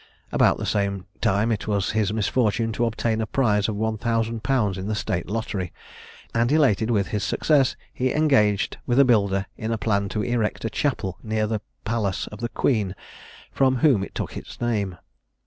About the same time it was his misfortune to obtain a prize of 1000_l._ in the state lottery; and elated with his success, he engaged with a builder in a plan to erect a chapel near the palace of the Queen, from whom it took its name.